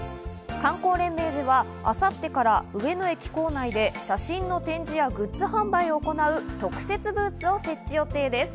観光連盟では明後日から上野駅構内で写真の展示やグッズ販売を行う特設ブースを設置予定です。